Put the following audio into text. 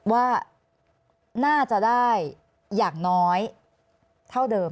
ว่าน่าจะได้อย่างน้อยเท่าเดิม